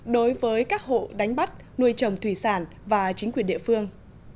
đối với các hộ đánh bắt nuôi trồng thủy sản và chính quyền địa phương